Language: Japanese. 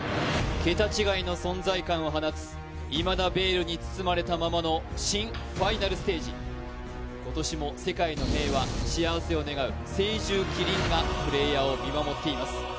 桁違いの存在感を放つ、いまだベールに包まれたままのファイナルステージ、今年も世界の平和、幸せを狙う聖獣麒麟がプレーヤーを見守っています。